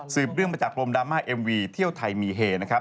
เรื่องมาจากลมดราม่าเอ็มวีเที่ยวไทยมีเฮนะครับ